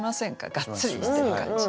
がっつりしてる感じね。